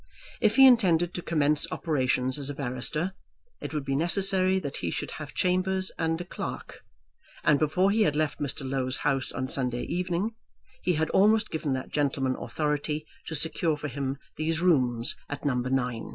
If he intended to commence operations as a barrister, it would be necessary that he should have chambers and a clerk; and before he had left Mr. Low's house on Sunday evening he had almost given that gentleman authority to secure for him these rooms at No.